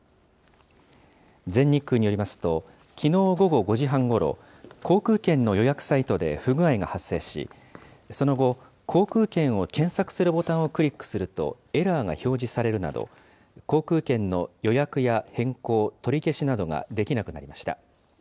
全日空によりますと、きのう午後５時半ごろ、航空券の予約サイトで不具合が発生し、その後、航空券を検索するボタンをクリックするとエラーが表示されるなど、航空券の予約や変更、取り消しなどができなくなりました。